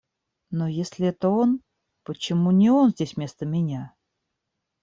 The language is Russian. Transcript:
Но если это он, почему не он здесь вместо меня?